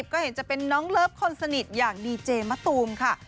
ก็เห็นจะเป็นน้องเลิฟคนสนิทอย่างดีเจมะตูมค่ะ